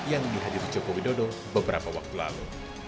yang dihadiri joko widodo beberapa waktu lalu